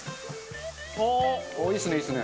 いいですねいいですね。